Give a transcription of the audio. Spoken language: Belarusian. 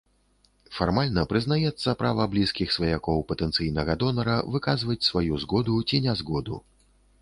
Фармальна прызнаецца права блізкіх сваякоў патэнцыйнага донара выказваць сваю згоду ці нязгоду.